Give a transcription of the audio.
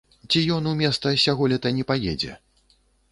Ці ён у места сяголета не паедзе?